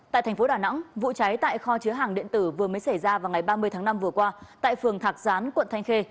tại thành phố đà nẵng vụ cháy tại kho chứa hàng điện tử vừa mới xảy ra vào ngày ba mươi tháng năm vừa qua tại phường thạc gián quận thanh khê